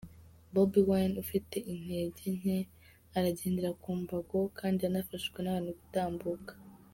Bobi Wine ufite intege nke, aragendera ku mbago kandi anafashijwe n’abantu gutambuka.